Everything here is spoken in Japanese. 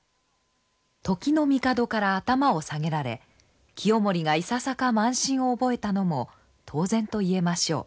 時の帝から頭を下げられ清盛がいささか慢心を覚えたのも当然と言えましょう。